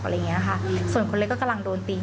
อะไรอย่างเงี้ยค่ะส่วนคนเล็กก็กำลังโดนตี